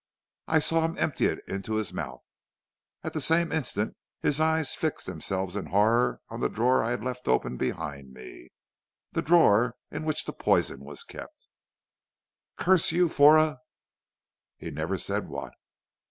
I saw him empty it into his mouth; at the same instant his eyes fixed themselves in horror on the drawer I had left open behind me, the drawer in which the poison was kept. "'Curse you for a ' He never said what.